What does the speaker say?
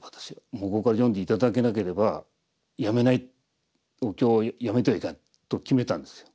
向こうから読んで頂けなければやめないお経をやめてはいかんと決めたんですよ。